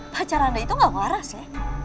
pacar anda itu gak waras ya